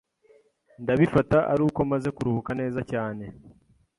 Ndabifata aruko maze kuruhuka neza cyane.